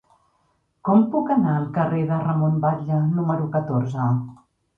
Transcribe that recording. Com puc anar al carrer de Ramon Batlle número catorze?